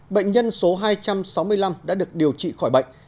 bệnh nhân số hai trăm sáu mươi năm đã được điều trị khỏi bệnh